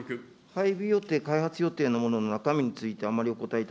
配備予定、開発予定のものの中身について、あんまりお答えい